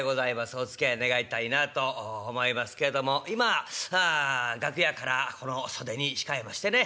おつきあい願いたいなと思いますけれども今楽屋からこの袖に控えましてね